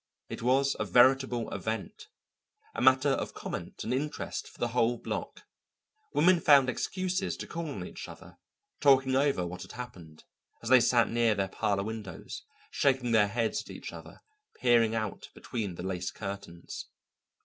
It was a veritable event, a matter of comment and interest for the whole block. Women found excuses to call on each other, talking over what had happened, as they sat near their parlour windows, shaking their heads at each other, peering out between the lace curtains.